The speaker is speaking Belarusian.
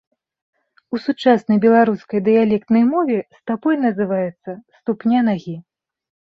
У сучаснай беларускай дыялектнай мове стапой называецца ступня нагі.